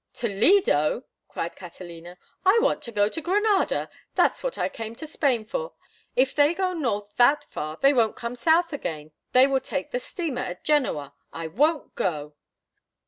"Toledo!" cried Catalina. "I want to go to Granada! That is what I came to Spain for. If they go north that far they won't come south again—they will take the steamer at Genoa. I won't go."